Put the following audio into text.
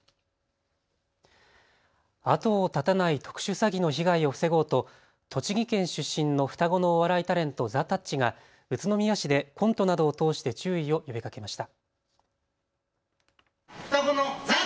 後を絶たない特殊詐欺の被害を防ごうと栃木県出身の双子のお笑いタレント、ザ・たっちが宇都宮市でコントなどを通して注意を呼びかけました。